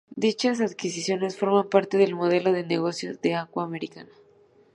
Dichas adquisiciones forman parte del modelo de negocios de Aqua America.